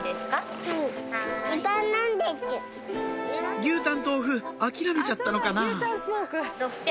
牛タンとお麩諦めちゃったのかな？